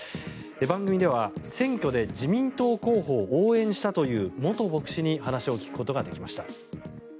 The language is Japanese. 番組では、選挙で自民党候補を応援したという元牧師に話を聞くことができました。